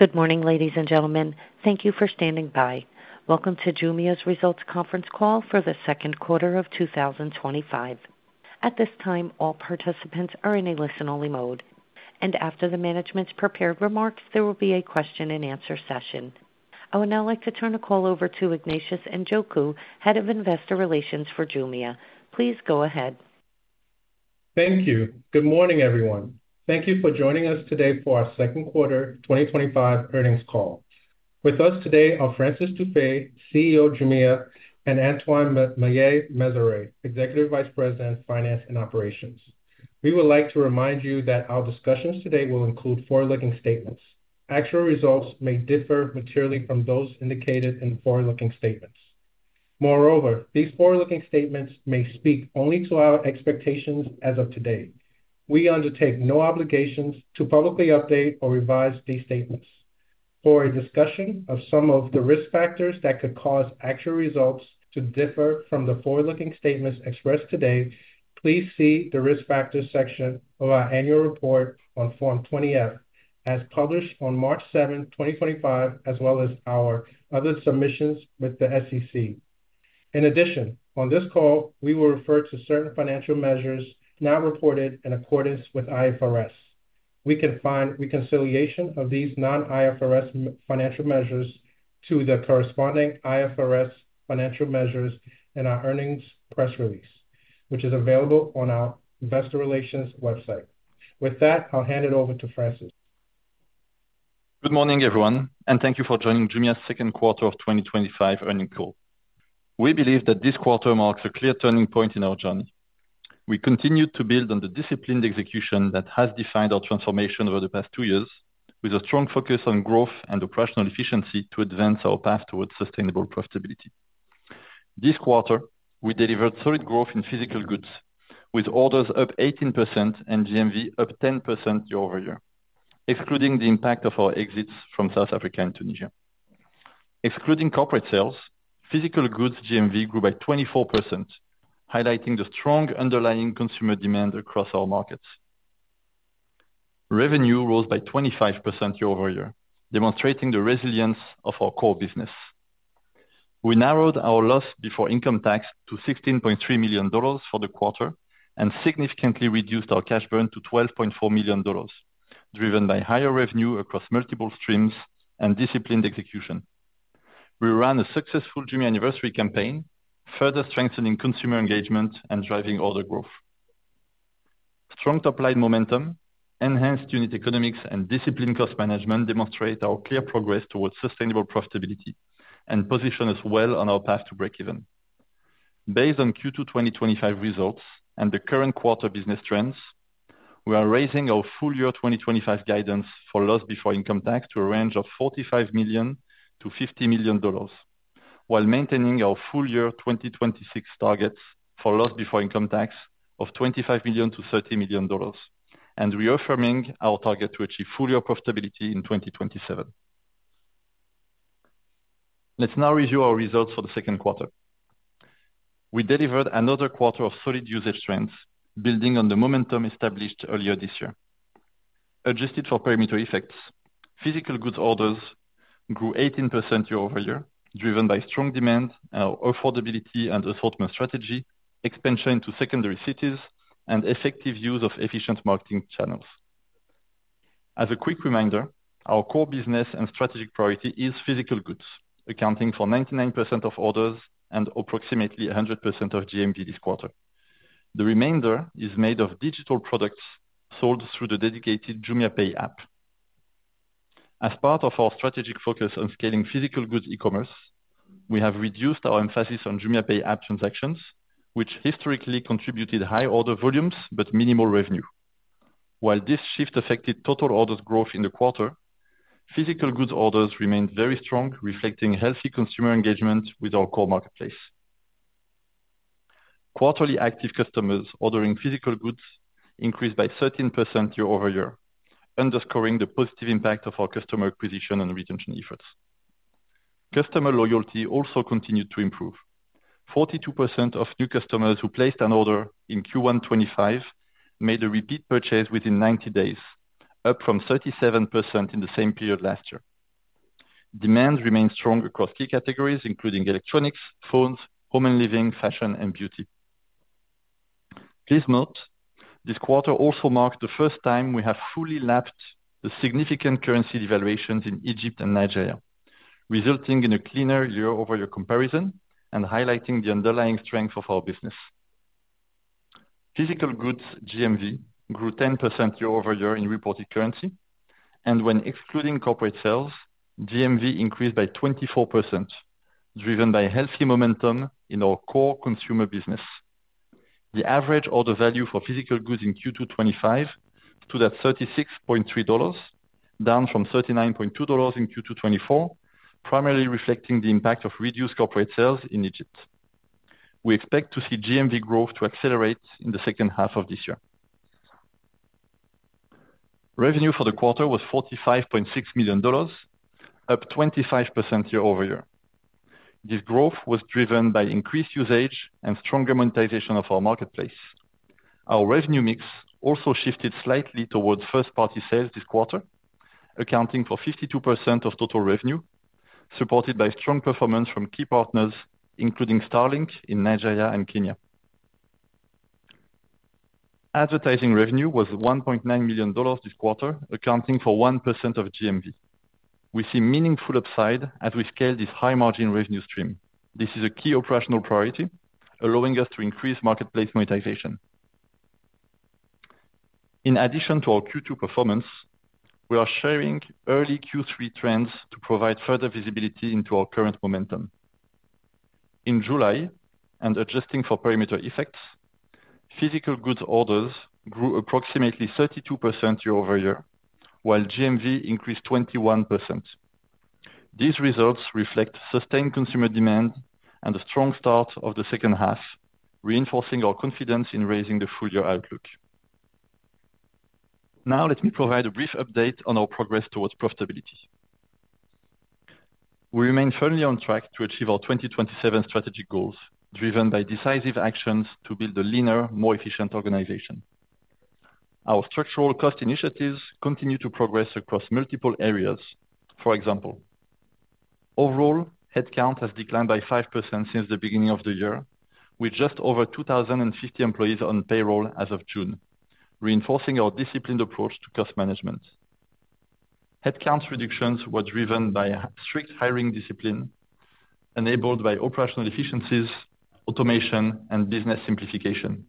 Good morning, ladies and gentlemen. Thank you for standing by. Welcome to Jumia's Results Conference Call for the Second Quarter of 2025. At this time, all participants are in a listen-only mode, and after the management's prepared remarks, there will be a question-and-answer session. I would now like to turn the call over to Ignatius Njoku, Head of Investor Relations for Jumia. Please go ahead. Thank you. Good morning, everyone. Thank you for joining us today for our Second Quarter 2025 Earnings Call. With us today are Francis Dufay, CEO of Jumia, and Antoine Maillet-Mezeray, Executive Vice President, Finance and Operations. We would like to remind you that our discussions today will include forward-looking statements. Actual results may differ materially from those indicated in the forward-looking statements. Moreover, these forward-looking statements may speak only to our expectations as of today. We undertake no obligations to publicly update or revise these statements. For a discussion of some of the risk factors that could cause actual results to differ from the forward-looking statements expressed today, please see the risk factors section of our annual report on Form 20F, as published on March 7, 2025, as well as our other submissions with the SEC. In addition, on this call, we will refer to certain financial measures not reported in accordance with IFRS. You can find reconciliation of these non-IFRS financial measures to the corresponding IFRS financial measures in our earnings press release, which is available on our Investor Relations website. With that, I'll hand it over to Francis. Good morning, everyone, and thank you for joining Jumia's Second Quarter of 2025 Earnings Call. We believe that this quarter marks a clear turning point in our journey. We continue to build on the disciplined execution that has defined our transformation over the past two years, with a strong focus on growth and operational efficiency to advance our path towards sustainable profitability. This quarter, we delivered solid growth in physical goods, with orders up 18% and GMV up 10% year-over-year, excluding the impact of our exits from South Africa and Tunisia. Excluding corporate sales, physical goods GMV grew by 24%, highlighting the strong underlying consumer demand across our markets. Revenue rose by 25% year-over-year, demonstrating the resilience of our core business. We narrowed our loss before income tax to $16.3 million for the quarter and significantly reduced our cash burn to $12.4 million, driven by higher revenue across multiple streams and disciplined execution. We ran a successful Jumia anniversary campaign, further strengthening consumer engagement and driving order growth. Strong top-line momentum, enhanced unit economics, and disciplined cost management demonstrate our clear progress towards sustainable profitability and position us well on our path to break-even. Based on Q2 2025 results and the current quarter business trends, we are raising our full-year 2025 guidance for loss before income tax to a range of $45 million-$50 million, while maintaining our full-year 2026 targets for loss before income tax of $25 million-$30 million, and reaffirming our target to achieve full-year profitability in 2027. Let's now review our results for the second quarter. We delivered another quarter of solid usage trends, building on the momentum established earlier this year. Adjusted for perimeter effects, physical goods orders grew 18% year-over-year, driven by strong demand and our affordability and affordable strategy, expansion to secondary cities, and effective use of efficient marketing channels. As a quick reminder, our core business and strategic priority is physical goods, accounting for 99% of orders and approximately 100% of GMV this quarter. The remainder is made of digital products sold through the dedicated JumiaPay app. As part of our strategic focus on scaling physical goods e-commerce, we have reduced our emphasis on JumiaPay app transactions, which historically contributed high order volumes but minimal revenue. While this shift affected total orders growth in the quarter, physical goods orders remained very strong, reflecting healthy consumer engagement with our core marketplace. Quarterly active customers ordering physical goods increased by 13% year-over-year, underscoring the positive impact of our customer acquisition and retention efforts. Customer loyalty also continued to improve. 42% of new customers who placed an order in Q1 2025 made a repeat purchase within 90 days, up from 37% in the same period last year. Demand remains strong across key categories, including electronics, phones, home and living, fashion, and beauty. Please note, this quarter also marks the first time we have fully lapped the significant currency devaluations in Egypt and Nigeria, resulting in a cleaner year-over-year comparison and highlighting the underlying strength of our business. Physical goods GMV grew 10% year-over-year in reported currency, and when excluding corporate sales, GMV increased by 24%, driven by healthy momentum in our core consumer business. The average order value for physical goods in Q2 2025 was $36.3, down from $39.2 in Q2 2024, primarily reflecting the impact of reduced corporate sales in Egypt. We expect to see GMV growth accelerate in the second half of this year. Revenue for the quarter was $45.6 million, up 25% year-over-year. This growth was driven by increased usage and stronger monetization of our marketplace. Our revenue mix also shifted slightly towards first-party sales this quarter, accounting for 52% of total revenue, supported by strong performance from key partners, including Starlink in Nigeria and Kenya. Advertising revenue was $1.9 million this quarter, accounting for 1% of GMV. We see meaningful upside as we scale this high-margin revenue stream. This is a key operational priority, allowing us to increase marketplace monetization. In addition to our Q2 performance, we are sharing early Q3 trends to provide further visibility into our current momentum. In July, and adjusting for perimeter effects, physical goods orders grew approximately 32% year-over-year, while GMV increased 21%. These results reflect sustained consumer demand and a strong start of the second half, reinforcing our confidence in raising the full-year outlook. Now, let me provide a brief update on our progress towards profitability. We remain firmly on track to achieve our 2027 strategic goals, driven by decisive actions to build a leaner, more efficient organization. Our structural cost initiatives continue to progress across multiple areas. For example, overall headcount has declined by 5% since the beginning of the year, with just over 2,050 employees on payroll as of June, reinforcing our disciplined approach to cost management. Headcount reductions were driven by strict hiring discipline, enabled by operational efficiencies, automation, and business simplification.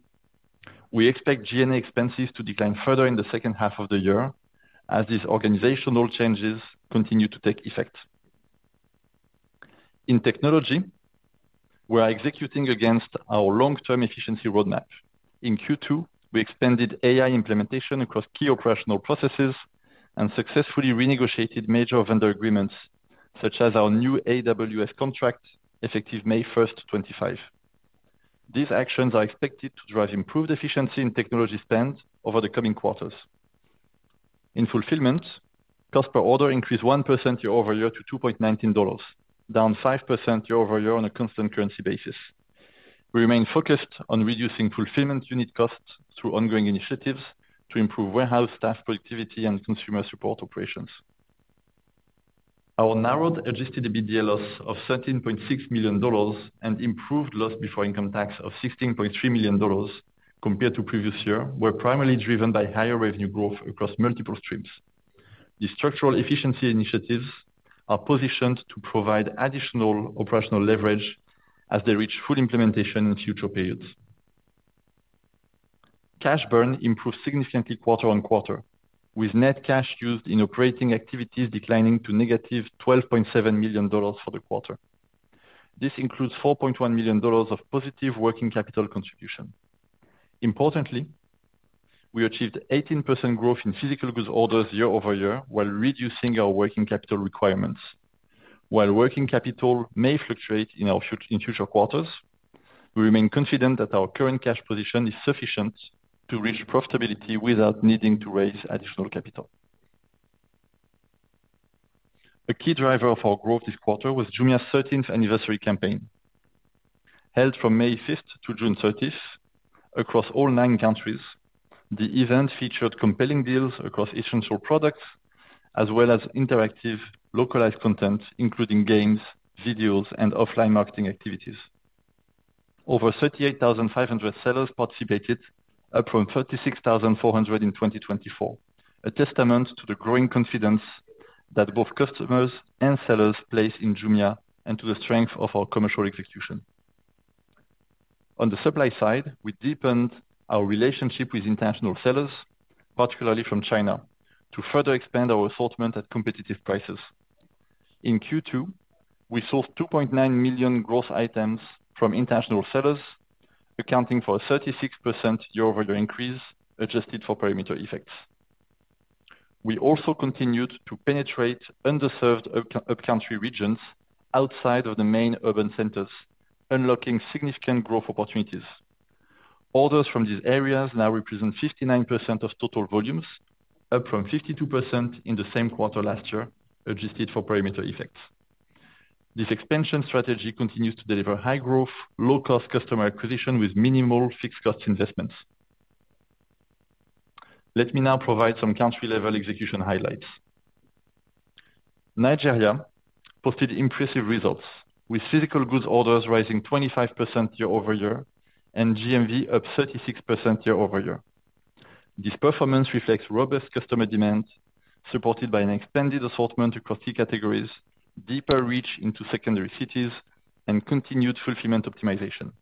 We expect G&A expenses to decline further in the second half of the year as these organizational changes continue to take effect. In technology, we are executing against our long-term efficiency roadmap. In Q2, we expanded AI implementation across key operational processes and successfully renegotiated major vendor agreements, such as our new AWS contract effective May 1st, 2025. These actions are expected to drive improved efficiency in technology spend over the coming quarters. In fulfillment, cost per order increased 1% year-over-year to $2.19, down 5% year-over-year on a constant currency basis. We remain focused on reducing fulfillment unit costs through ongoing initiatives to improve warehouse staff productivity and consumer support operations. Our narrowed adjusted EBITDA loss of $17.6 million and improved loss before income tax of $16.3 million compared to previous year were primarily driven by higher revenue growth across multiple streams. The structural efficiency initiatives are positioned to provide additional operational leverage as they reach full implementation in future periods. Cash burn improved significantly quarter on quarter, with net cash used in operating activities declining to -$12.7 million for the quarter. This includes $4.1 million of positive working capital contribution. Importantly, we achieved 18% growth in physical goods orders year-over-year while reducing our working capital requirements. While working capital may fluctuate in future quarters, we remain confident that our current cash position is sufficient to reach profitability without needing to raise additional capital. A key driver of our growth this quarter was Jumia's thirteenth anniversary campaign. Held from May 5th-June 30th across all nine countries, the event featured compelling deals across essential products as well as interactive localized content, including games, videos, and offline marketing activities. Over 38,500 sellers participated, up from 36,400 in 2024, a testament to the growing confidence that both customers and sellers place in Jumia and to the strength of our commercial execution. On the supply side, we deepened our relationship with international sellers, particularly from China, to further expand our assortment at competitive prices. In Q2, we sold 2.9 million gross items from international sellers, accounting for a 36% year-over-year increase adjusted for perimeter effects. We also continued to penetrate underserved upcountry regions outside of the main urban centers, unlocking significant growth opportunities. Orders from these areas now represent 59% of total volumes, up from 52% in the same quarter last year, adjusted for perimeter effects. This expansion strategy continues to deliver high growth, low-cost customer acquisition with minimal fixed cost investments. Let me now provide some country-level execution highlights. Nigeria posted impressive results, with physical goods orders rising 25% year-over-year and GMV up 36% year-over-year. This performance reflects robust customer demand, supported by an expanded assortment across key categories, deeper reach into secondary cities, and continued fulfillment optimization.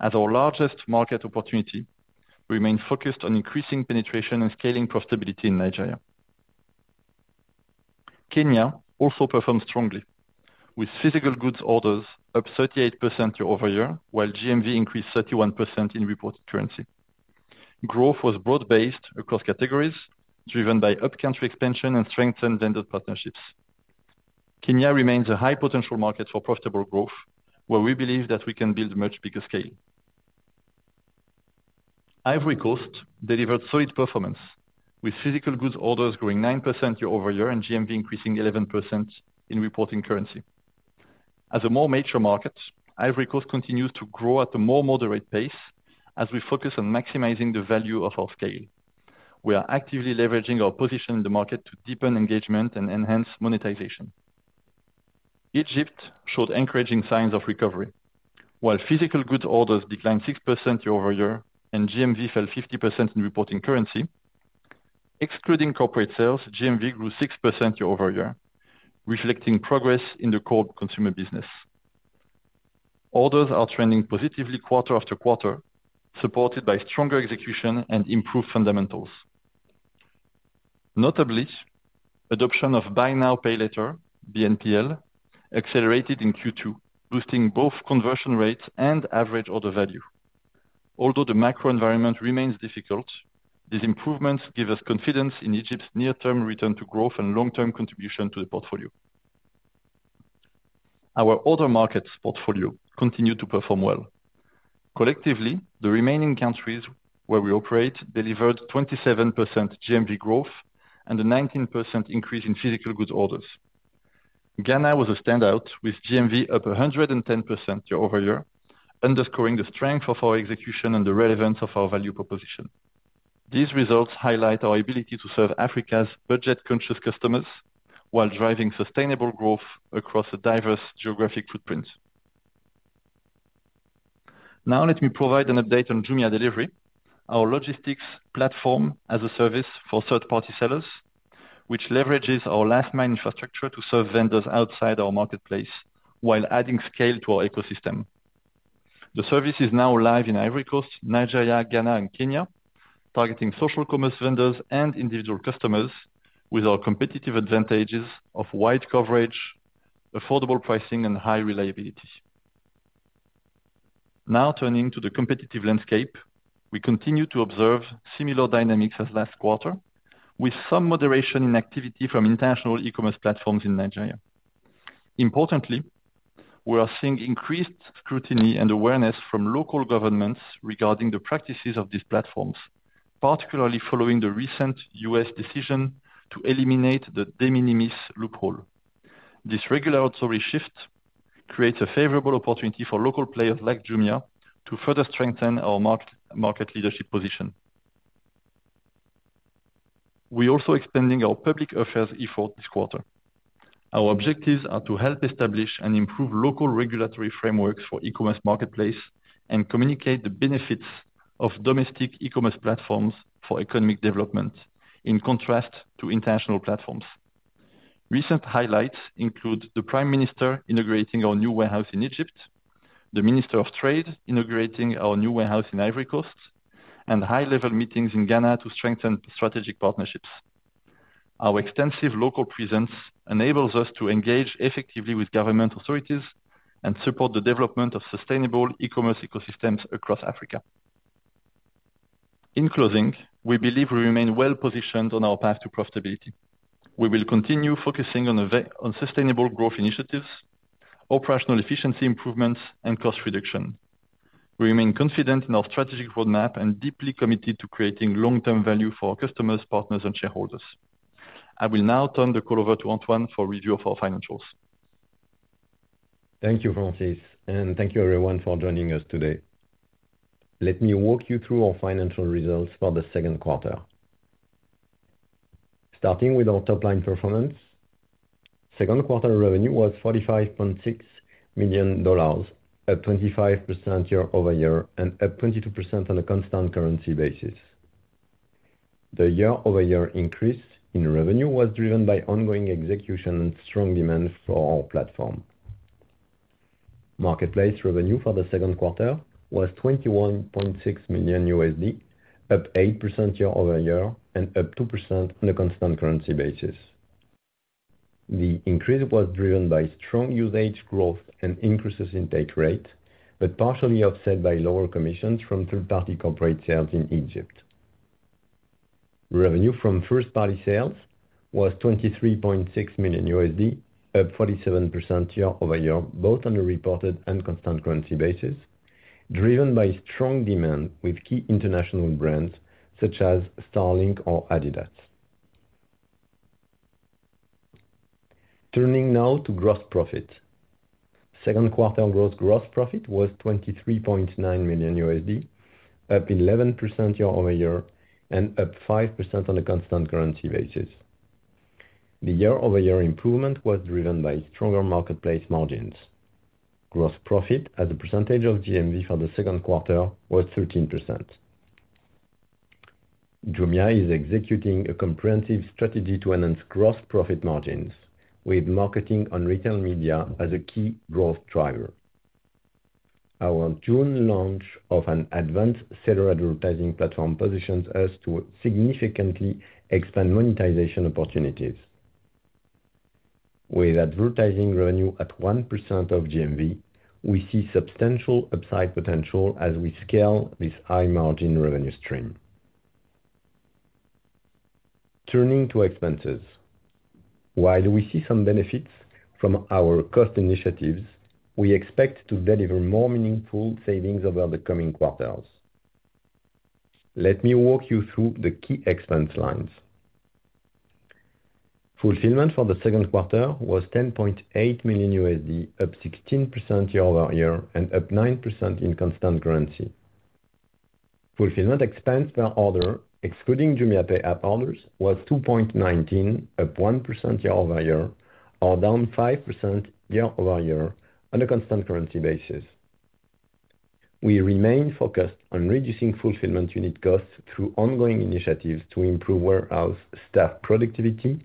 As our largest market opportunity, we remain focused on increasing penetration and scaling profitability in Nigeria. Kenya also performed strongly, with physical goods orders up 38% year-over-year, while GMV increased 31% in reported currency. Growth was broad-based across categories, driven by upcountry expansion and strengthened vendor partnerships. Kenya remains a high-potential market for profitable growth, where we believe that we can build a much bigger scale. Ivory Coast delivered solid performance, with physical goods orders growing 9% year-over-year and GMV increasing 11% in reporting currency. As a more mature market, Ivory Coast continues to grow at a more moderate pace as we focus on maximizing the value of our scale. We are actively leveraging our position in the market to deepen engagement and enhance monetization. Egypt showed encouraging signs of recovery. While physical goods orders declined 6% year-over-year and GMV fell 50% in reporting currency, excluding corporate sales, GMV grew 6% year-over-year, reflecting progress in the core consumer business. Orders are trending positively quarter after quarter, supported by stronger execution and improved fundamentals. Notably, adoption of Buy Now Pay Later, BNPL, accelerated in Q2, boosting both conversion rates and average order value. Although the macro environment remains difficult, these improvements give us confidence in Egypt's near-term return to growth and long-term contribution to the portfolio. Our other markets' portfolio continued to perform well. Collectively, the remaining countries where we operate delivered 27% GMV growth and a 19% increase in physical goods orders. Ghana was a standout, with GMV up 110% year-over-year, underscoring the strength of our execution and the relevance of our value proposition. These results highlight our ability to serve Africa's budget-conscious customers while driving sustainable growth across a diverse geographic footprint. Now, let me provide an update on Jumia Delivery, our logistics-as-a-service platform for third-party sellers, which leverages our last-mile infrastructure to serve vendors outside our marketplace while adding scale to our ecosystem. The service is now live in Ivory Coast, Nigeria, Ghana, and Kenya, targeting social commerce vendors and individual customers with our competitive advantages of wide coverage, affordable pricing, and high reliability. Now turning to the competitive landscape, we continue to observe similar dynamics as last quarter, with some moderation in activity from international e-commerce platforms in Nigeria. Importantly, we are seeing increased scrutiny and awareness from local governments regarding the practices of these platforms, particularly following the recent U.S. decision to eliminate the de minimis loophole. This regulatory shift creates a favorable opportunity for local players like Jumia to further strengthen our market leadership position. We are also expanding our public affairs effort this quarter. Our objectives are to help establish and improve local regulatory frameworks for e-commerce marketplace and communicate the benefits of domestic e-commerce platforms for economic development in contrast to international platforms. Recent highlights include the Prime Minister inaugurating our new warehouse in Egypt, the Minister of Trade inaugurating our new warehouse in Ivory Coast, and high-level meetings in Ghana to strengthen strategic partnerships. Our extensive local presence enables us to engage effectively with government authorities and support the development of sustainable e-commerce ecosystems across Africa. In closing, we believe we remain well-positioned on our path to profitability. We will continue focusing on sustainable growth initiatives, operational efficiency improvements, and cost reduction. We remain confident in our strategic roadmap and deeply committed to creating long-term value for our customers, partners, and shareholders. I will now turn the call over to Antoine for a review of our financials. Thank you, Francis, and thank you, everyone, for joining us today. Let me walk you through our financial results for the second quarter. Starting with our top-line performance, second quarter revenue was $45.6 million, up 25% year-over-year and up 22% on a constant currency basis. The year-over-year increase in revenue was driven by ongoing execution and strong demand for our platform. Marketplace revenue for the second quarter was $21.6 million, up 8% year-over-year and up 2% on a constant currency basis. The increase was driven by strong usage growth and increases in take rate, but partially offset by lower commissions from third-party corporate sales in Egypt. Revenue from first-party sales was $23.6 million, up 47% year-over-year, both on a reported and constant currency basis, driven by strong demand with key international brands such as Starlink or Adidas. Turning now to gross profit, second quarter gross profit was $23.9 million, up 11% year-over-year and up 5% on a constant currency basis. The year-over-year improvement was driven by stronger marketplace margins. Gross profit as a percentage of GMV for the second quarter was 13%. Jumia is executing a comprehensive strategy to enhance gross profit margins, with marketing on retail media as a key growth driver. Our June launch of an advanced seller advertising platform positions us to significantly expand monetization opportunities. With advertising revenue at 1% of GMV, we see substantial upside potential as we scale this high-margin revenue stream. Turning to expenses, while we see some benefits from our cost initiatives, we expect to deliver more meaningful savings over the coming quarters. Let me walk you through the key expense lines. Fulfillment for the second quarter was $10.8 million, up 16% year-over-year and up 9% in constant currency. Fulfillment expense per order, excluding JumiaPay app orders, was $2.19, up 1% year-over-year or down 5% year-over-year on a constant currency basis. We remain focused on reducing fulfillment unit costs through ongoing initiatives to improve warehouse staff productivity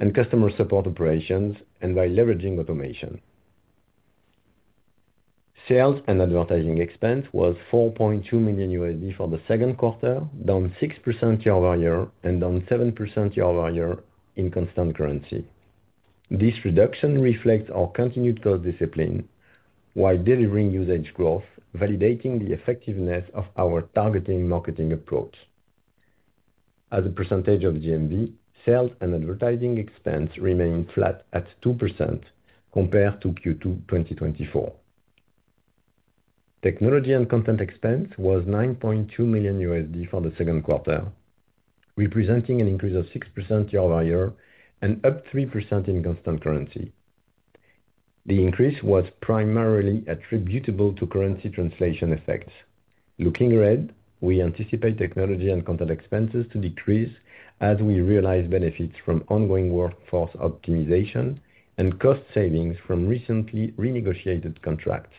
and customer support operations, and by leveraging automation. Sales and advertising expense was $4.2 million for the second quarter, down 6% year-over-year and down 7% year-over-year in constant currency. This reduction reflects our continued core discipline while delivering usage growth, validating the effectiveness of our targeting marketing approach. As a percentage of GMV, sales and advertising expense remained flat at 2% compared to Q2 2024. Technology and content expense was $9.2 million for the second quarter, representing an increase of 6% year-over-year and up 3% in constant currency. The increase was primarily attributable to currency translation effects. Looking ahead, we anticipate technology and content expenses to decrease as we realize benefits from ongoing workforce optimization and cost savings from recently renegotiated contracts.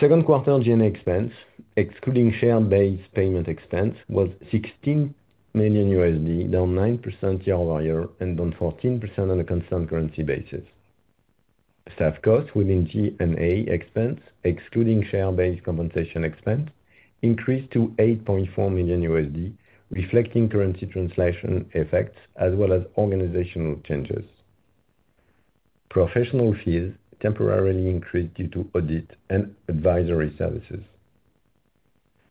Second quarter G&A expense, excluding share-based payment expense, was $16 million, down 9% year-over-year and down 14% on a constant currency basis. Staff costs within G&A expense, excluding share-based compensation expense, increased to $8.4 million, reflecting currency translation effects as well as organizational changes. Professional fees temporarily increased due to audit and advisory services.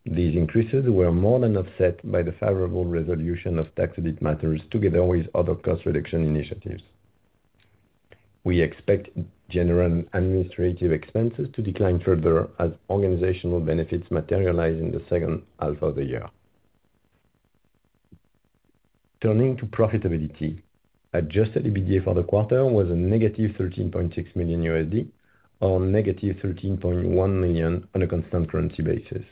These increases were more than offset by the favorable resolution of tax audit matters, together with other cost reduction initiatives. We expect general and administrative expenses to decline further as organizational benefits materialize in the second half of the year. Turning to profitability, adjusted EBITDA for the quarter was a -$13.6 million or -$13.1 million on a constant currency basis.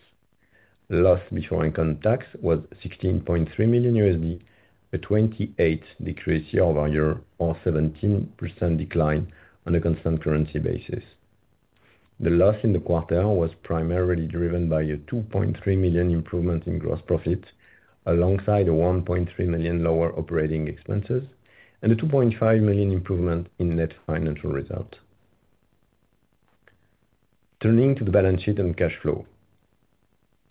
Loss before income tax was $16.3 million, a 28% decrease year-over-year or 17% decline on a constant currency basis. The loss in the quarter was primarily driven by a $2.3 million improvement in gross profit, alongside a $1.3 million lower operating expenses and a $2.5 million improvement in net financial results. Turning to the balance sheet and cash flow,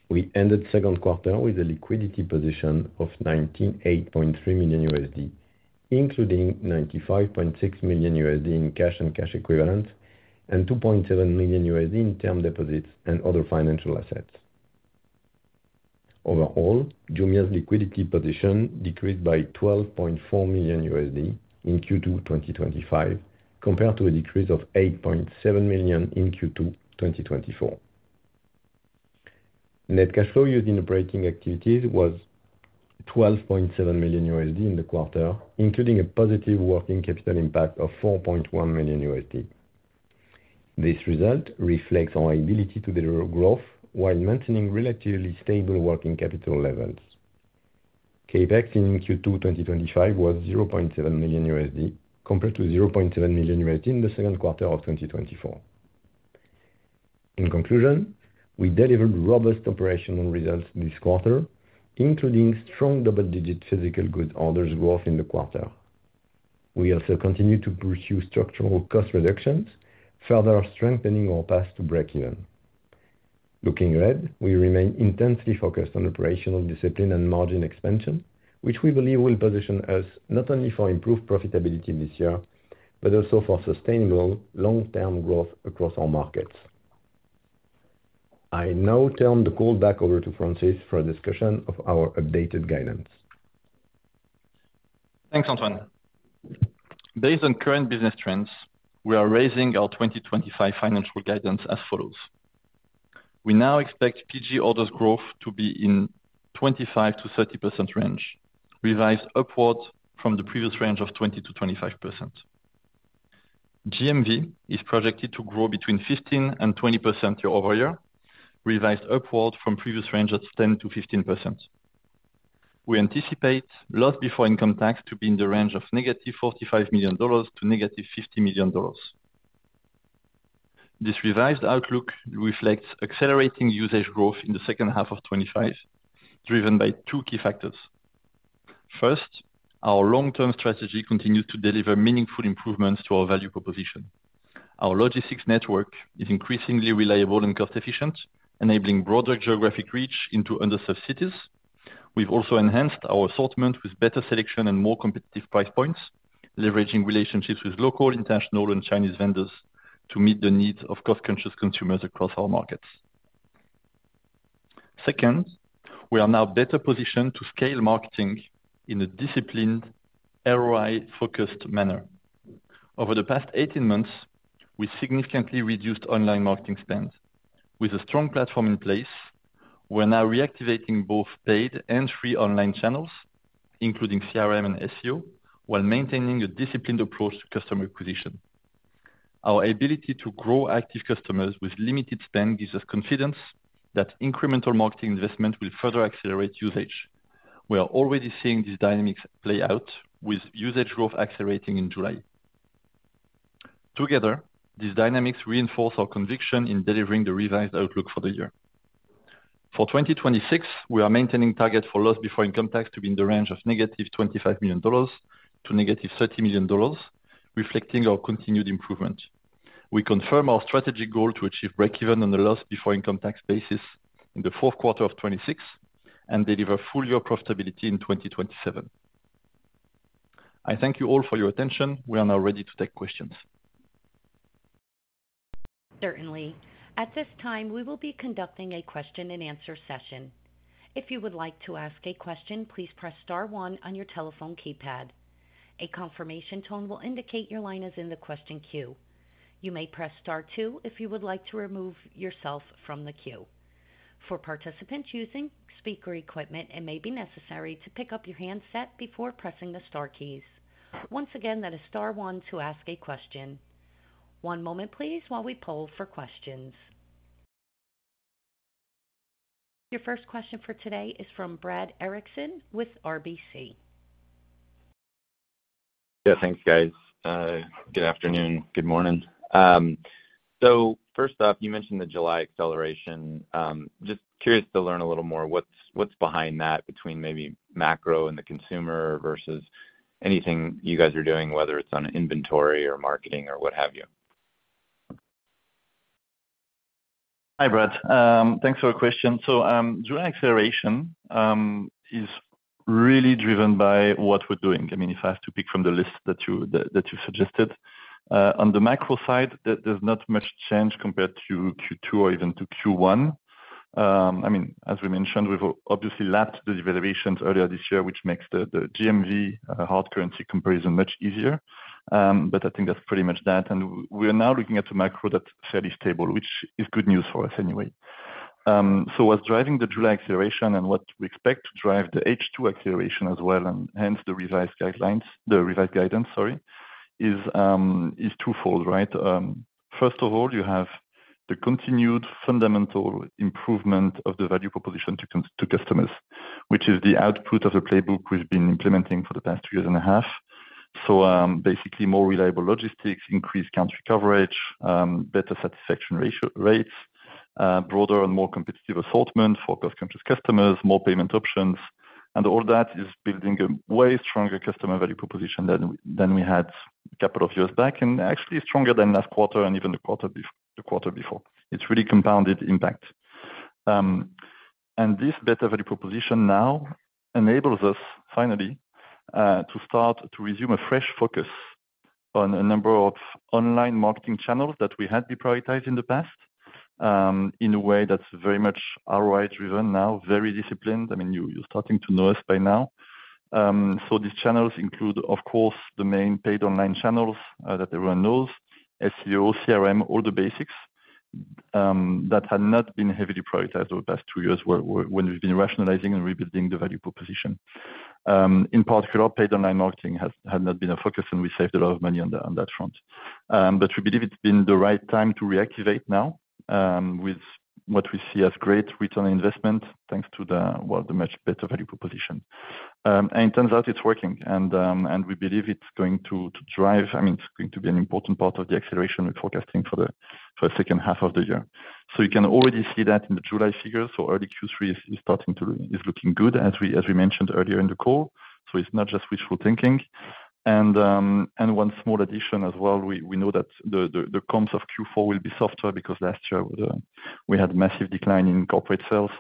we ended the second quarter with a liquidity position of $98.3 million, including $95.6 million in cash and cash equivalents and $2.7 million in term deposits and other financial assets. Overall, Jumia's liquidity position decreased by $12.4 million in Q2 2025, compared to a decrease of $8.7 million in Q2 2024. Net cash flow used in operating activities was $12.7 million in the quarter, including a positive working capital impact of $4.1 million. This result reflects our ability to deliver growth while maintaining relatively stable working capital levels. CapEx in Q2 2025 was $0.7 million, compared to $0.7 million in the second quarter of 2024. In conclusion, we delivered robust operational results this quarter, including strong double-digit physical goods orders growth in the quarter. We also continue to pursue structural cost reductions, further strengthening our path to break-even. Looking ahead, we remain intensely focused on operational discipline and margin expansion, which we believe will position us not only for improved profitability this year, but also for sustainable long-term growth across our markets. I now turn the call back over to Francis for a discussion of our updated guidance. Thanks, Antoine. Based on current business trends, we are raising our 2025 financial guidance as follows. We now expect physical goods orders growth to be in the 25%-30% range, revised upward from the previous range of 20%-25%. GMV is projected to grow between 15% and 20% year-over-year, revised upward from the previous range at 10%-15%. We anticipate loss before income tax to be in the range of -$45 million to -$50 million. This revised outlook reflects accelerating usage growth in the second half of 2025, driven by two key factors. First, our long-term strategy continues to deliver meaningful improvements to our value proposition. Our logistics network is increasingly reliable and cost-efficient, enabling broader geographic reach into underserved cities. We've also enhanced our assortment with better selection and more competitive price points, leveraging relationships with local, international, and Chinese vendors to meet the needs of cost-conscious consumers across our markets. Second, we are now better positioned to scale marketing in a disciplined, ROI-focused manner. Over the past 18 months, we significantly reduced online marketing spend. With a strong platform in place, we're now reactivating both paid and free online channels, including CRM and SEO, while maintaining a disciplined approach to customer acquisition. Our ability to grow active customers with limited spend gives us confidence that incremental marketing investment will further accelerate usage. We are already seeing these dynamics play out, with usage growth accelerating in July. Together, these dynamics reinforce our conviction in delivering the revised outlook for the year. For 2026, we are maintaining targets for loss before income tax to be in the range of -$25 million to -$30 million, reflecting our continued improvement. We confirm our strategic goal to achieve break-even on the loss before income tax basis in the fourth quarter of 2026 and deliver full-year profitability in 2027. I thank you all for your attention. We are now ready to take questions. Certainly. At this time, we will be conducting a question-and-answer session. If you would like to ask a question, please press star one on your telephone keypad. A confirmation tone will indicate your line is in the question queue. You may press star two if you would like to remove yourself from the queue. For participants using speaker equipment, it may be necessary to pick up your handset before pressing the star keys. Once again, that is star one to ask a question. One moment, please, while we poll for questions. Your first question for today is from Brad Erickson with RBC Capital Markets. Yeah, thanks, guys. Good afternoon, good morning. You mentioned the July acceleration. Just curious to learn a little more what's behind that between maybe macro and the consumer versus anything you guys are doing, whether it's on inventory or marketing or what have you. Hi, Brad. Thanks for the question. July acceleration is really driven by what we're doing. If I have to pick from the list that you suggested, on the macro side, there's not much change compared to Q2 or even to Q1. As we mentioned, we've obviously lapped the devaluations earlier this year, which makes the GMV hard currency comparison much easier. I think that's pretty much that. We are now looking at the macro that's fairly stable, which is good news for us anyway. What's driving the July acceleration and what we expect to drive the H2 acceleration as well, and hence the revised guidance, is 2x, right? First of all, you have the continued fundamental improvement of the value proposition to customers, which is the output of the playbook we've been implementing for the past 2.5 years. Basically, more reliable logistics, increased country coverage, better satisfaction rates, broader and more competitive assortment for cost-conscious customers, more payment options. All that is building a way stronger customer value proposition than we had a couple of years back, and actually stronger than last quarter and even the quarter before. It's really compounded impact. This better value proposition now enables us finally to start to resume a fresh focus on a number of online marketing channels that we had deprioritized in the past in a way that's very much ROI-driven now, very disciplined. You're starting to know us by now. These channels include, of course, the main paid online channels that everyone knows: SEO, CRM, all the basics that had not been heavily prioritized over the past two years when we've been rationalizing and rebuilding the value proposition. In particular, paid online marketing had not been a focus, and we saved a lot of money on that front. We believe it's been the right time to reactivate now with what we see as great return on investment thanks to the much better value proposition. It turns out it's working, and we believe it's going to drive, I mean, it's going to be an important part of the acceleration we're forecasting for the second half of the year. You can already see that in the July figures. Early Q3 is starting to look good, as we mentioned earlier in the call. It's not just wishful thinking. One small addition as well, we know that the comps of Q4 will be softer because last year we had a massive decline in corporate sales.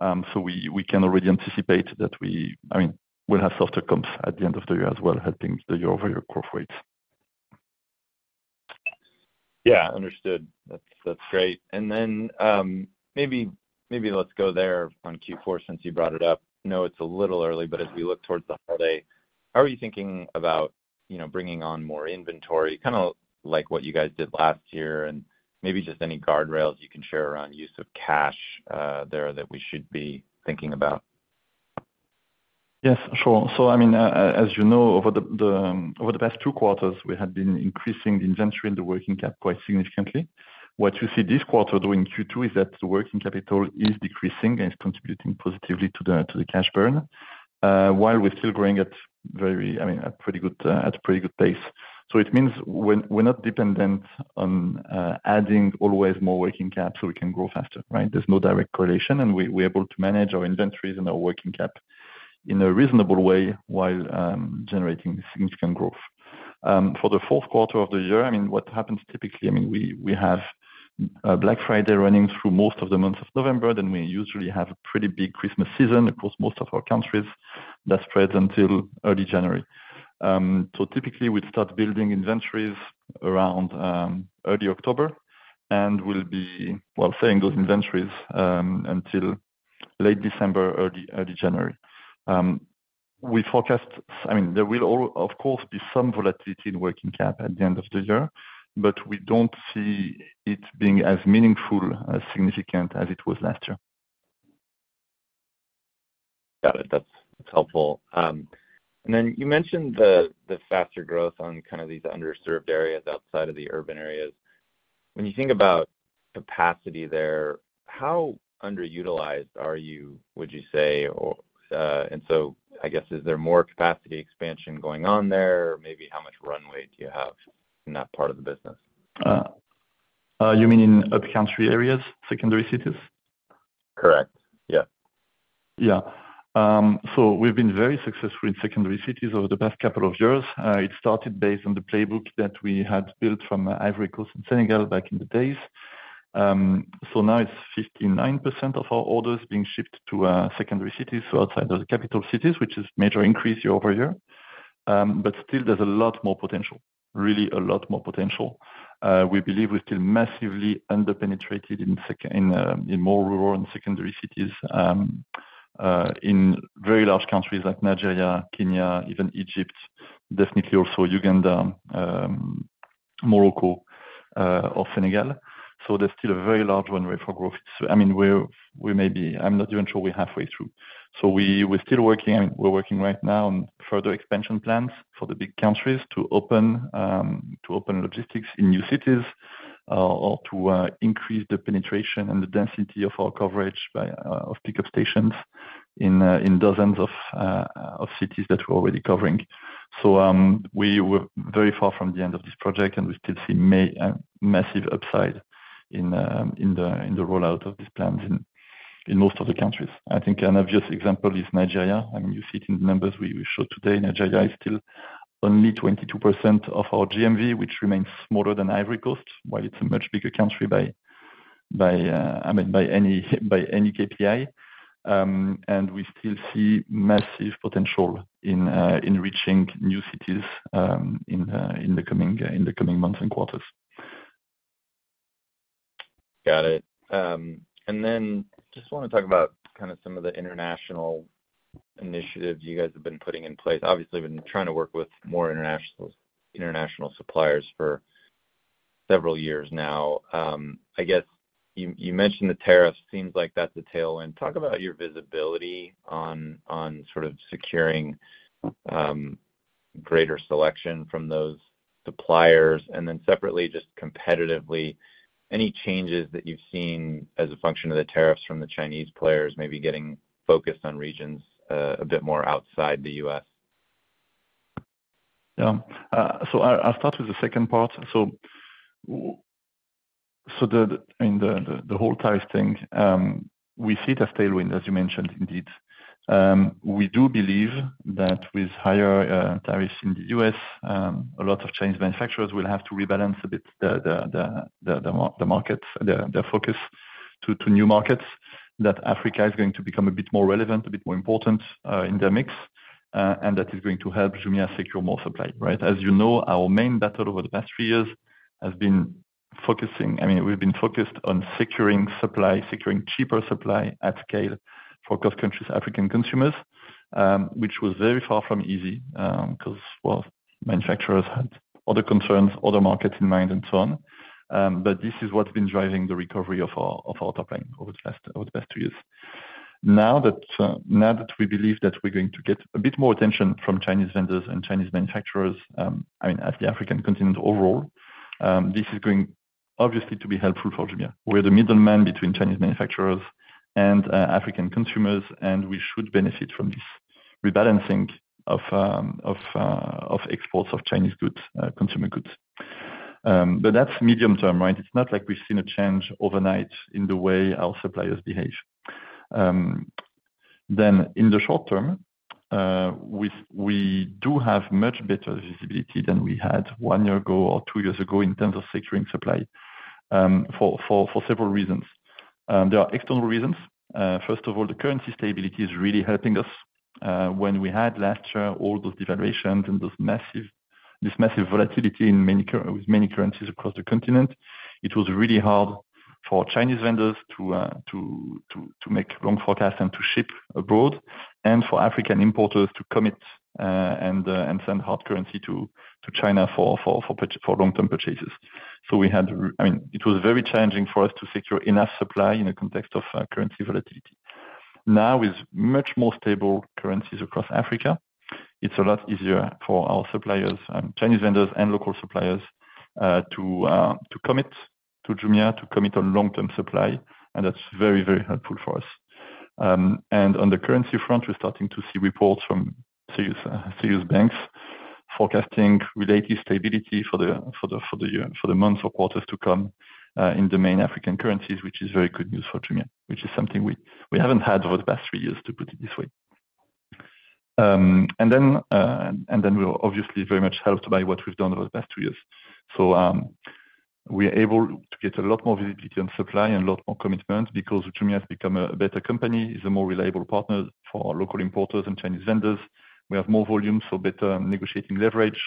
We can already anticipate that we'll have softer comps at the end of the year as well, helping the year-over-year growth rates. Yeah, understood. That's great. Maybe let's go there on Q4 since you brought it up. It's a little early, but as we look towards the holiday, how are you thinking about bringing on more inventory, kind of like what you guys did last year, and maybe just any guardrails you can share around use of cash there that we should be thinking about? Yes, for sure. As you know, over the past two quarters, we had been increasing the inventory and the working cap quite significantly. What you see this quarter during Q2 is that the working capital is decreasing and is contributing positively to the cash burn, while we're still growing at a pretty good pace. It means we're not dependent on adding always more working cap so we can grow faster, right? There's no direct correlation, and we're able to manage our inventories and our working cap in a reasonable way while generating significant growth. For the fourth quarter of the year, what happens typically is we have Jumia's Black Friday sales event running through most of the month of November. We usually have a pretty big Christmas season across most of our countries that spreads until early January. Typically, we'd start building inventories around early October and will be selling those inventories until late December, early January. We forecast there will, of course, be some volatility in working cap at the end of the year, but we don't see it being as meaningful, as significant as it was last year. Got it. That's helpful. You mentioned the faster growth on kind of these underserved areas outside of the urban areas. When you think about capacity there, how underutilized are you, would you say? I guess, is there more capacity expansion going on there, or maybe how much runway do you have in that part of the business? You mean in upcountry areas, secondary cities? Correct. Yeah. Yeah. We've been very successful in secondary cities over the past couple of years. It started based on the playbook that we had built from Ivory Coast in Senegal back in the days. Now it's 59% of our orders being shipped to secondary cities, outside of the capital cities, which is a major increase year-over-year. There's a lot more potential, really a lot more potential. We believe we're still massively underpenetrated in more rural and secondary cities in very large countries like Nigeria, Kenya, even Egypt, definitely also Uganda, Morocco, or Senegal. There's still a very large runway for growth. I mean, we may be, I'm not even sure we're halfway through. We're working right now on further expansion plans for the big countries to open logistics in new cities or to increase the penetration and the density of our coverage of pickup stations in dozens of cities that we're already covering. We're very far from the end of this project, and we still see a massive upside in the rollout of these plans in most of the countries. I think an obvious example is Nigeria. You see it in the numbers we showed today. Nigeria is still only 22% of our GMV, which remains smaller than Ivory Coast, while it's a much bigger country by, I mean, by any KPI. We still see massive potential in reaching new cities in the coming months and quarters. Got it. I just want to talk about some of the international initiatives you guys have been putting in place. Obviously, we've been trying to work with more international suppliers for several years now. I guess you mentioned the tariffs seem like that's a tailwind. Talk about your visibility on securing greater selection from those suppliers, and then separately, just competitively, any changes that you've seen as a function of the tariffs from the Chinese players, maybe getting focused on regions a bit more outside the U.S.? I'll start with the second part. The whole tariff thing, we see it as a tailwind, as you mentioned, indeed. We do believe that with higher tariffs in the U.S., a lot of Chinese manufacturers will have to rebalance a bit their focus to new markets, that Africa is going to become a bit more relevant, a bit more important in their mix, and that is going to help Jumia secure more supply, right? As you know, our main battle over the past three years has been focusing, I mean, we've been focused on securing supply, securing cheaper supply at scale for cross-country African consumers, which was very far from easy because manufacturers had other concerns, other markets in mind, and so on. This is what's been driving the recovery of our top line over the past two years. Now that we believe that we're going to get a bit more attention from Chinese vendors and Chinese manufacturers, I mean, at the African continent overall, this is going obviously to be helpful for Jumia. We're the middleman between Chinese manufacturers and African consumers, and we should benefit from this rebalancing of exports of Chinese goods, consumer goods. That's medium term, right? It's not like we've seen a change overnight in the way our suppliers behave. In the short term, we do have much better visibility than we had one year ago or two years ago in terms of securing supply for several reasons. There are external reasons. First of all, the currency stability is really helping us. When we had last year all those devaluations and this massive volatility with many currencies across the continent, it was really hard for Chinese vendors to make long forecasts and to ship abroad and for African importers to commit and send hard currency to China for long-term purchases. It was very challenging for us to secure enough supply in a context of currency volatility. Now, with much more stable currencies across Africa, it's a lot easier for our suppliers, Chinese vendors, and local suppliers to commit to Jumia, to commit on long-term supply, and that's very, very helpful for us. On the currency front, we're starting to see reports from serious banks forecasting related stability for the months or quarters to come in the main African currencies, which is very good news for Jumia, which is something we haven't had over the past three years, to put it this way. We're obviously very much helped by what we've done over the past two years. We're able to get a lot more visibility on supply and a lot more commitment because Jumia has become a better company, is a more reliable partner for local importers and Chinese vendors. We have more volume, so better negotiating leverage.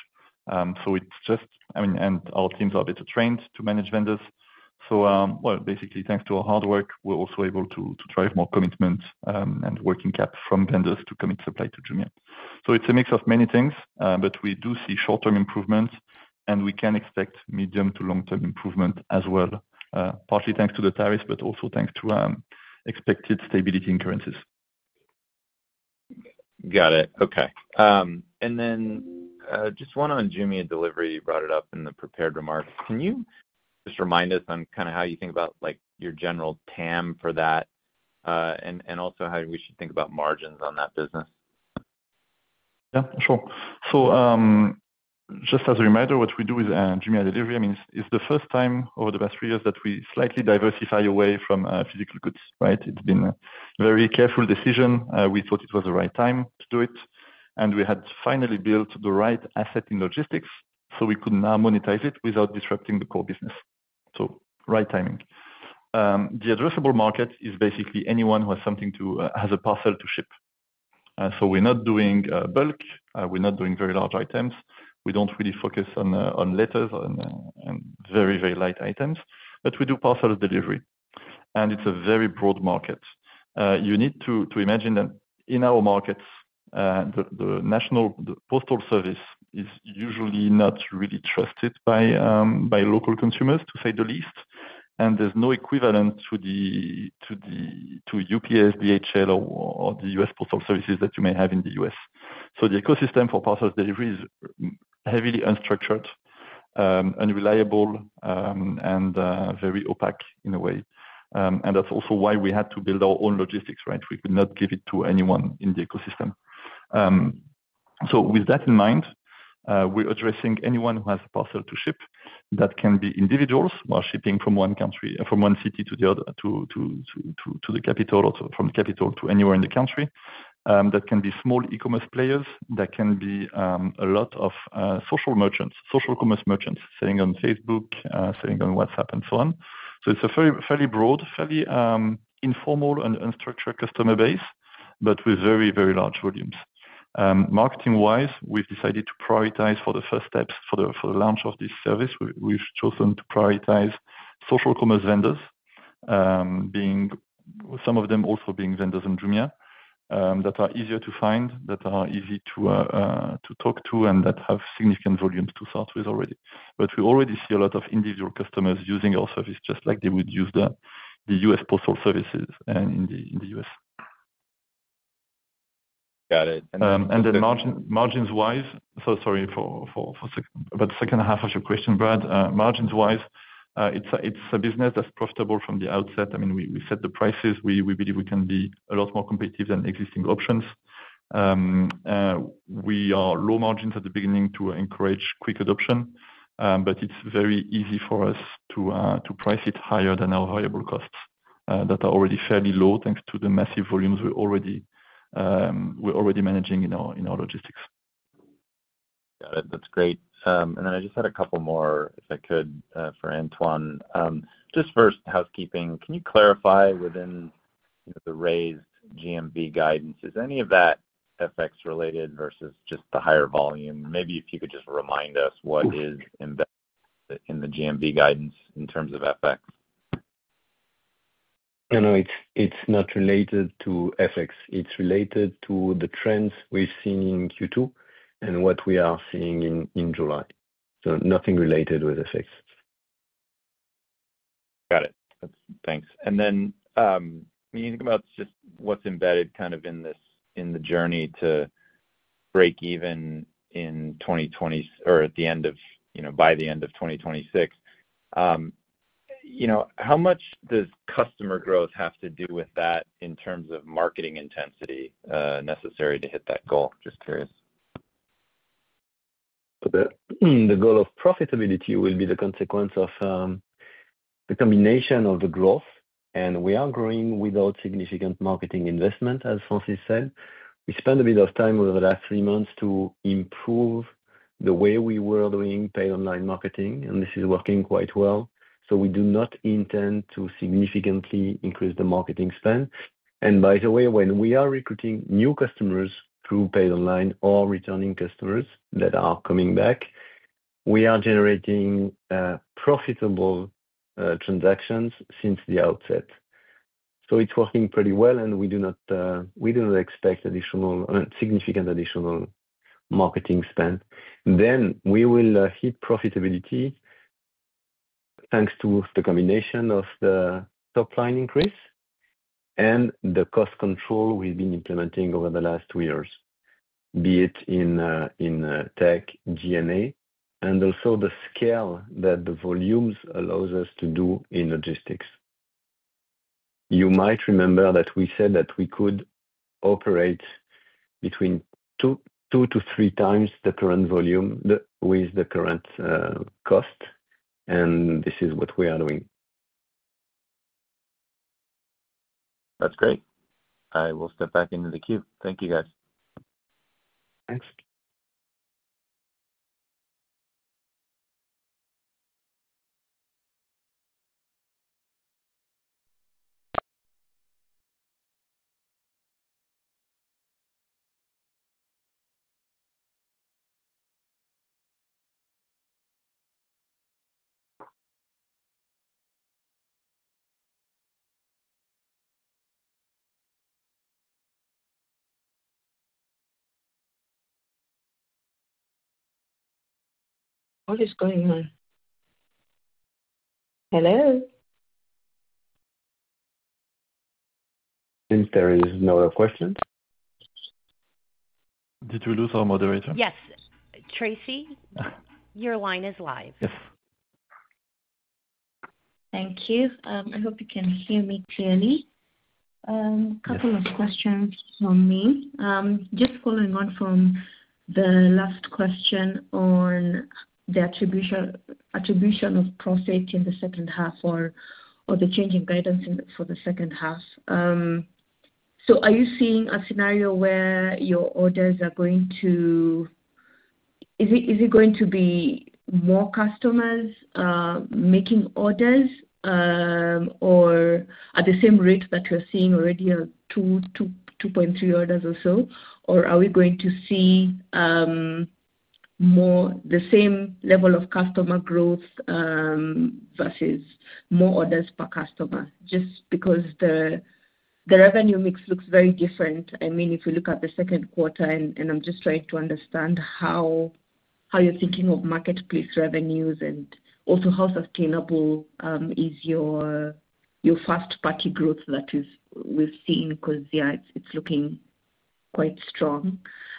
It's just, I mean, our teams are better trained to manage vendors. Basically, thanks to our hard work, we're also able to drive more commitment and working cap from vendors to commit supply to Jumia. It's a mix of many things, but we do see short-term improvement, and we can expect medium to long-term improvement as well, partly thanks to the tariffs, but also thanks to expected stability in currencies. Got it. Okay. Just one on Jumia Delivery, you brought it up in the prepared remarks. Can you remind us on kind of how you think about your general TAM for that and also how we should think about margins on that business? Yeah, sure. Just as a reminder, what we do with Jumia Delivery, it's the first time over the past three years that we slightly diversify away from physical goods, right? It's been a very careful decision. We thought it was the right time to do it, and we had finally built the right asset in logistics so we could now monetize it without disrupting the core business. Right timing. The addressable market is basically anyone who has something to, has a parcel to ship. We're not doing bulk. We're not doing very large items. We don't really focus on letters and very, very light items, but we do parcel delivery, and it's a very broad market. You need to imagine that in our markets, the national postal service is usually not really trusted by local consumers, to say the least, and there's no equivalent to the UPS, DHL, or the U.S. Postal Services that you may have in the United States. The ecosystem for parcel delivery is heavily unstructured, unreliable, and very opaque in a way. That's also why we had to build our own logistics, right? We could not give it to anyone in the ecosystem. With that in mind, we're addressing anyone who has a parcel to ship. That can be individuals who are shipping from one country, from one city to the other, to the capital, or from the capital to anywhere in the country. That can be small e-commerce players. That can be a lot of social merchants, social commerce merchants selling on Facebook, selling on WhatsApp, and so on. It's a fairly broad, fairly informal and unstructured customer base, but with very, very large volumes. Marketing-wise, we've decided to prioritize for the first steps for the launch of this service. We've chosen to prioritize social commerce vendors, some of them also being vendors in Jumia that are easier to find, that are easy to talk to, and that have significant volumes to start with already. We already see a lot of individual customers using our service just like they would use the U.S. Postal Services in the United States. Got it. Margins-wise, sorry about the second half of your question, Brad. Margins-wise, it's a business that's profitable from the outset. I mean, we set the prices. We believe we can be a lot more competitive than existing options. We are low margins at the beginning to encourage quick adoption, but it's very easy for us to price it higher than our variable costs that are already fairly low thanks to the massive volumes we're already managing in our logistics. Got it. That's great. I just had a couple more if I could for Antoine. Just for housekeeping, can you clarify within the raised GMV guidance, is any of that FX-related versus just the higher volume? Maybe if you could just remind us what is embedded in the GMV guidance in terms of FX. No, no, it's not related to FX. It's related to the trends we've seen in Q2 and what we are seeing in July. Nothing related with FX. Got it. Thanks. When you think about just what's embedded in the journey to break even in 2020 or at the end of, you know, by the end of 2026, how much does customer growth have to do with that in terms of marketing intensity necessary to hit that goal? Just curious. The goal of profitability will be the consequence of the combination of the growth, and we are growing without significant marketing investment, as Francis said. We spent a bit of time over the last three months to improve the way we were doing paid online marketing, and this is working quite well. We do not intend to significantly increase the marketing spend. By the way, when we are recruiting new customers through paid online or returning customers that are coming back, we are generating profitable transactions since the outset. It's working pretty well, and we do not expect significant additional marketing spend. We will hit profitability thanks to the combination of the top line increase and the cost control we've been implementing over the last two years, be it in tech, G&A, and also the scale that the volumes allow us to do in logistics. You might remember that we said that we could operate between two to three times the current volume with the current cost, and this is what we are doing. That's great. I will step back into the queue. Thank you, guys. What is going on? Hello? I think there are no other questions. Did we lose our moderator? Yes, Tracy, your line is live. Yes. Thank you. I hope you can hear me clearly. A couple of questions from me. Just following on from the last question on the attribution of profit in the second half or the change in guidance for the second half. Are you seeing a scenario where your orders are going to, is it going to be more customers making orders or at the same rate that we're seeing already, 2.3 orders or so? Are we going to see more the same level of customer growth versus more orders per customer just because the revenue mix looks very different? If you look at the second quarter, I'm just trying to understand how you're thinking of marketplace revenues and also how sustainable is your first-party growth that we've seen because, yeah, it's looking quite strong.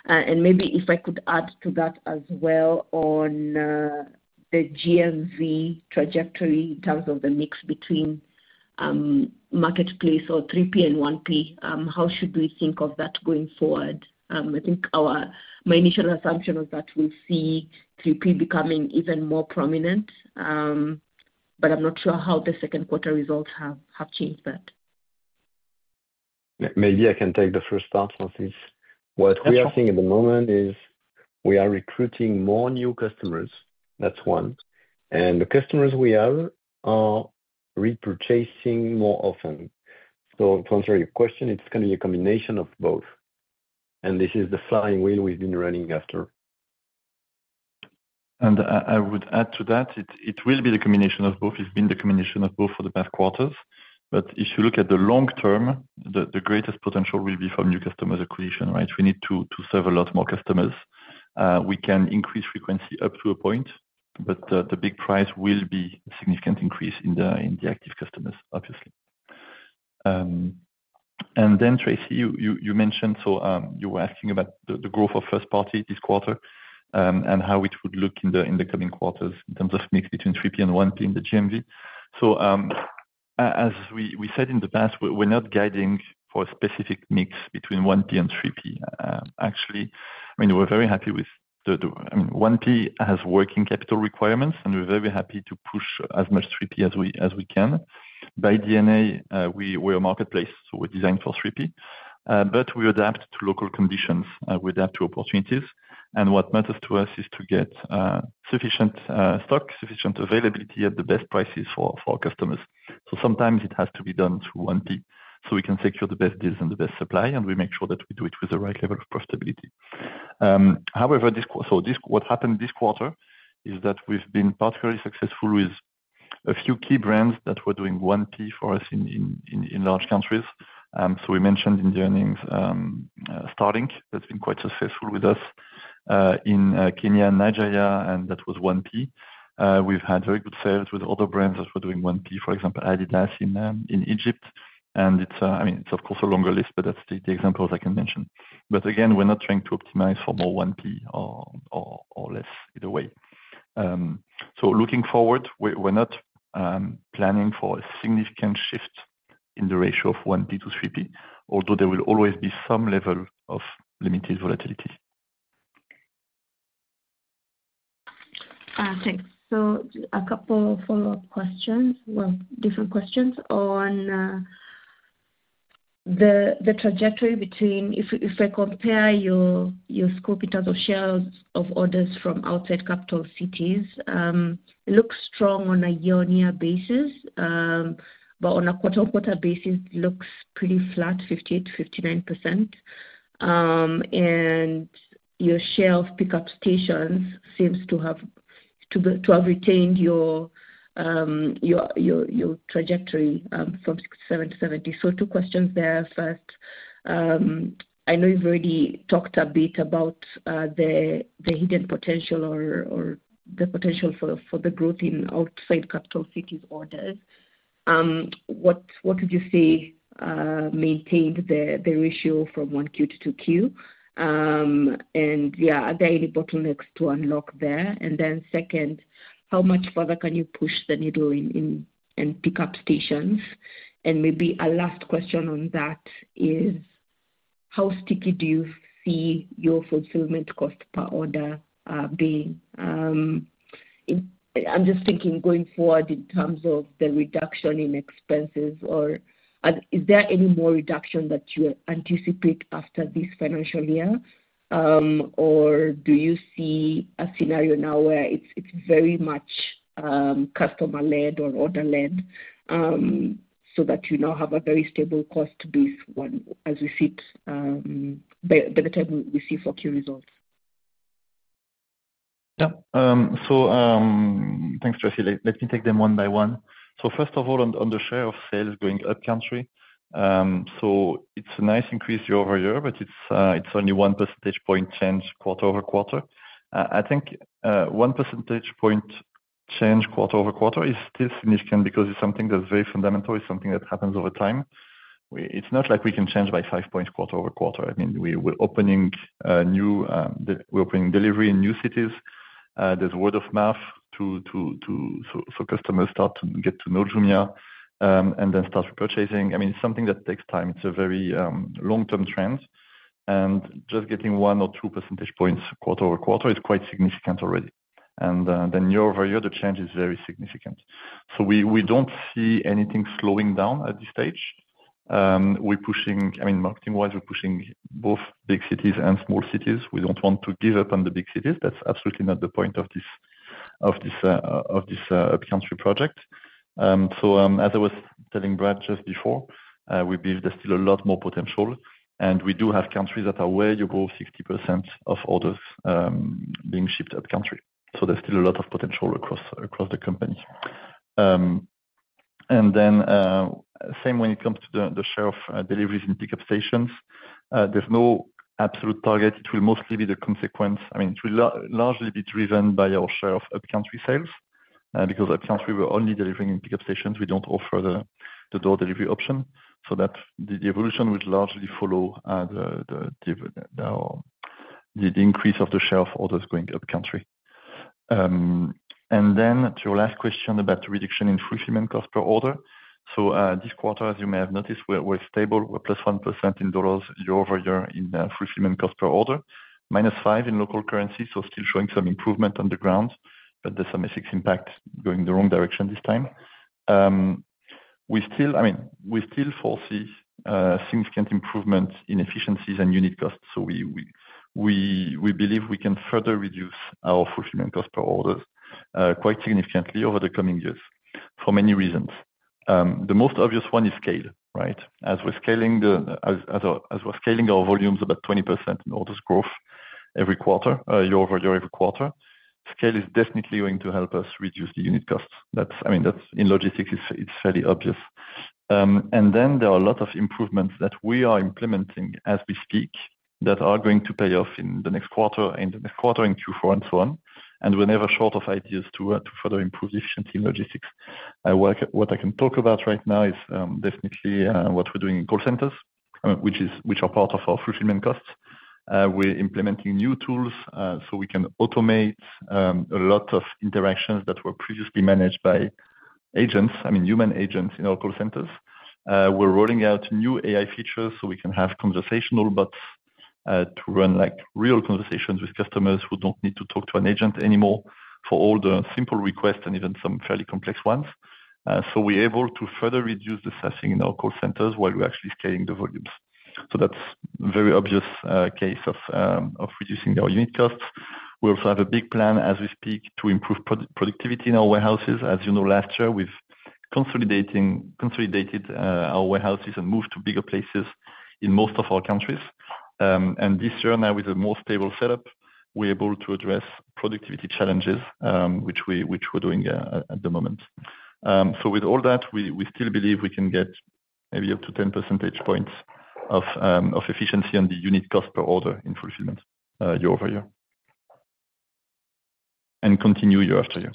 Maybe if I could add to that as well on the GMV trajectory in terms of the mix between marketplace or 3P and 1P, how should we think of that going forward? My initial assumption was that we'll see 3P becoming even more prominent, but I'm not sure how the second quarter results have changed that. Maybe I can take the first part, Francis. What we are seeing at the moment is we are recruiting more new customers. That's one. The customers we have are repurchasing more often. To answer your question, it's going to be a combination of both. This is the flywheel we've been running after. I would add to that, it will be the combination of both. It's been the combination of both for the past quarters. If you look at the long term, the greatest potential will be from new customer acquisition, right? We need to serve a lot more customers. We can increase frequency up to a point, but the big prize will be a significant increase in the active customers, obviously. Tracy, you mentioned, you were asking about the growth of first-party this quarter and how it would look in the coming quarters in terms of mix between 3P and 1P in the GMV. As we said in the past, we're not guiding for a specific mix between 1P and 3P. Actually, we're very happy with the, I mean, 1P has working capital requirements, and we're very happy to push as much 3P as we can. By DNA, we're a marketplace, so we're designed for 3P. We adapt to local conditions. We adapt to opportunities. What matters to us is to get sufficient stock, sufficient availability at the best prices for our customers. Sometimes it has to be done through 1P so we can secure the best deals and the best supply, and we make sure that we do it with the right level of profitability. What happened this quarter is that we've been particularly successful with a few key brands that were doing 1P for us in large countries. We mentioned in the earnings Starlink. That's been quite successful with us in Kenya and Nigeria, and that was 1P. We've had very good sales with other brands that were doing 1P, for example, Adidas in Egypt. It's, of course, a longer list, but that's the examples I can mention. We're not trying to optimize for more 1P or less either way. Looking forward, we're not planning for a significant shift in the ratio of 1P to 3P, although there will always be some level of limited volatility. Thanks. A couple of follow-up questions, different questions on the trajectory between, if I compare your scope in terms of shareholders from outside capital cities, it looks strong on a year-on-year basis, but on a quarter-on-quarter basis, it looks pretty flat, 50%-59%. Your share of pickup stations seems to have retained your trajectory from 67%-70%. Two questions there, I know you've already talked a bit about the hidden potential or the potential for the growth in outside capital cities orders. What would you say maintained the ratio from 1Q to 2Q? Are there any bottlenecks to unlock there? Second, how much further can you push the needle in pickup stations? Maybe a last question on that is, how sticky do you see your fulfillment cost per order being? I'm just thinking going forward in terms of the reduction in expenses, or is there any more reduction that you anticipate after this financial year? Do you see a scenario now where it's very much customer-led or order-led so that you now have a very stable cost base as we see it by the time we see 4Q results? Yeah. Thanks, Tracy. Let me take them one by one. First of all, on the share of sales going upcountry, it's a nice increase year-over-year, but it's only a 1 percentage point change quarter-over-quarter. I think a 1 percentage point change quarter-over-quarter is still significant because it's something that's very fundamental. It's something that happens over time. It's not like we can change by five points quarter-over-quarter. We're opening new delivery in new cities. There's word of mouth, so customers start to get to know Jumia and then start repurchasing. It's something that takes time. It's a very long-term trend. Just getting one or two percentage points quarter-over-quarter is quite significant already. Year-over-year, the change is very significant. We don't see anything slowing down at this stage. We're pushing, marketing-wise, we're pushing both big cities and small cities. We don't want to give up on the big cities. That's absolutely not the point of this upcountry project. As I was telling Brad just before, we believe there's still a lot more potential. We do have countries that are way above 60% of orders being shipped upcountry. There's still a lot of potential across the company. Same when it comes to the share of deliveries in pickup stations. There's no absolute target. It will mostly be the consequence. It will largely be driven by our share of upcountry sales because upcountry, we're only delivering in pickup stations. We don't offer the door delivery option. The evolution would largely follow the increase of the share of orders going upcountry. To your last question about the reduction in fulfillment cost per order, this quarter, as you may have noticed, we're stable. We're +1% in dollars year-over-year in fulfillment cost per order, -5% in local currency. Still showing some improvement on the ground, but there's some impact going the wrong direction this time. We still foresee significant improvements in efficiencies and unit costs. We believe we can further reduce our fulfillment cost per order quite significantly over the coming years for many reasons. The most obvious one is scale, right? As we're scaling our volumes about 20% in orders growth every quarter, year-over-year every quarter, scale is definitely going to help us reduce the unit costs. In logistics, it's fairly obvious. There are a lot of improvements that we are implementing as we speak that are going to pay off in the next quarter, the next quarter in Q4, and so on. We're never short of ideas to further improve efficiency in logistics. What I can talk about right now is definitely what we're doing in call centers, which are part of our fulfillment costs. We're implementing new tools so we can automate a lot of interactions that were previously managed by agents, I mean, human agents in our call centers. We're rolling out new AI features so we can have conversational bots to run like real conversations with customers who don't need to talk to an agent anymore for all the simple requests and even some fairly complex ones. We're able to further reduce the staffing in our call centers while we're actually scaling the volumes. That's a very obvious case of reducing our unit costs. We also have a big plan as we speak to improve productivity in our warehouses. As you know, last year, we've consolidated our warehouses and moved to bigger places in most of our countries. This year, now with a more stable setup, we're able to address productivity challenges, which we're doing at the moment. With all that, we still believe we can get maybe up to 10 percentage points of efficiency on the unit cost per order in fulfillment year-over-year and continue year after year.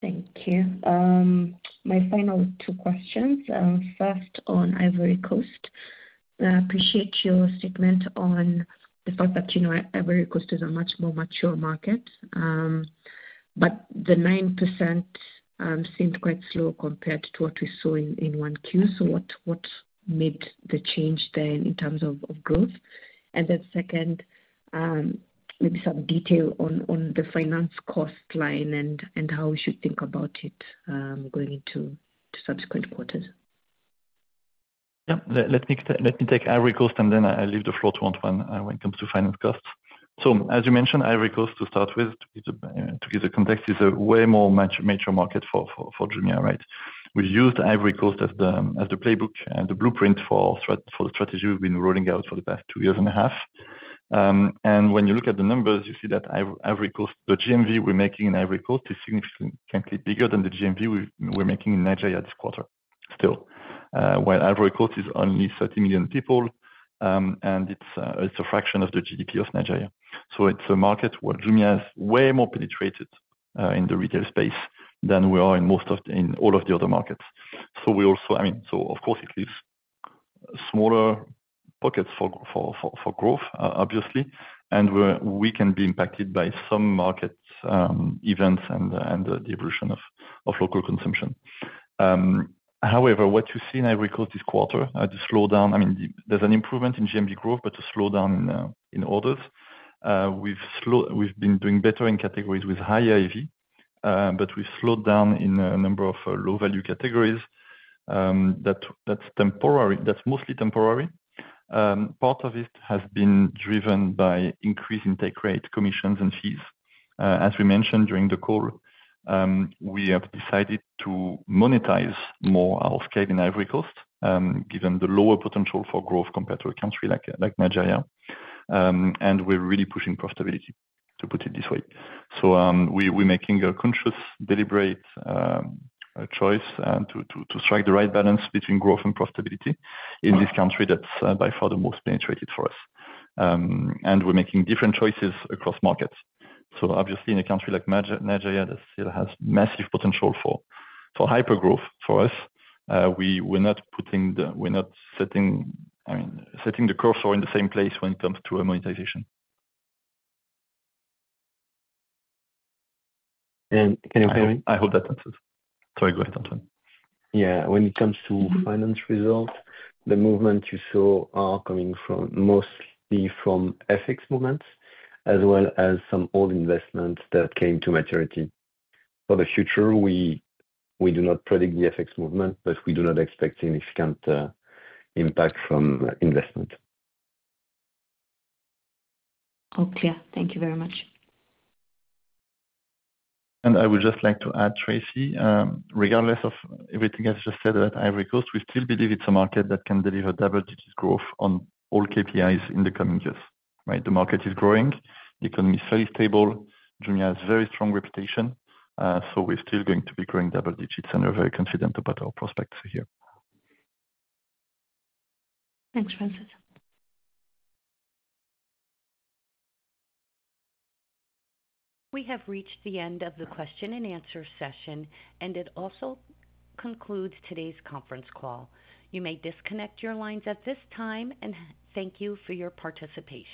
Thank you. My final two questions. First, on Ivory Coast, I appreciate your statement on the fact that Ivory Coast is a much more mature market, but the 9% seemed quite slow compared to what we saw in 1Q. What made the change then in terms of growth? Second, maybe some detail on the finance cost line and how we should think about it going into subsequent quarters. Yeah. Let me take Ivory Coast, and then I'll leave the floor to Antoine when it comes to finance costs. As you mentioned, Ivory Coast, to start with, to give the context, is a way more major market for Jumia, right? We've used Ivory Coast as the playbook and the blueprint for the strategy we've been rolling out for the past 2.5 years. When you look at the numbers, you see that the GMV we're making in Ivory Coast is significantly bigger than the GMV we're making in Nigeria this quarter still, where Ivory Coast is only 30 million people, and it's a fraction of the GDP of Nigeria. It's a market where Jumia is way more penetrated in the retail space than we are in most of the other markets. Of course, it leaves smaller pockets for growth, obviously, and we can be impacted by some market events and the evolution of local consumption. However, what you see in Ivory Coast this quarter, the slowdown, I mean, there's an improvement in GMV growth, but a slowdown in orders. We've been doing better in categories with higher EV, but we've slowed down in a number of low-value categories. That's mostly temporary. Part of it has been driven by increasing tech rate, commissions, and fees. As we mentioned during the call, we have decided to monetize more our scale in Ivory Coast, given the lower potential for growth compared to a country like Nigeria. We're really pushing profitability, to put it this way. We're making a conscious, deliberate choice to strike the right balance between growth and profitability in this country that's by far the most penetrated for us. We're making different choices across markets. Obviously, in a country like Nigeria that still has massive potential for hypergrowth for us, we're not setting the cursor in the same place when it comes to monetization. Can you hear me? I hope that answers. Sorry, go ahead, Antoine. Yeah. When it comes to finance results, the movements you saw are coming mostly from FX movements, as well as some old investments that came to maturity. For the future, we do not predict the FX movement, but we do not expect significant impact from investment. All clear. Thank you very much. I would just like to add, Tracy, regardless of everything I just said about Ivory Coast, we still believe it's a market that can deliver double-digit growth on all KPIs in the coming years, right? The market is growing. The economy is fairly stable. Jumia has a very strong reputation. We're still going to be growing double digits, and we're very confident about our prospects here. Thanks, Francis. We have reached the end of the question and answer session, and it also concludes today's conference call. You may disconnect your lines at this time, and thank you for your participation.